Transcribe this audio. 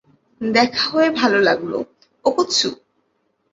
দেখা হয়ে ভালো লাগলো, ওকোৎসু।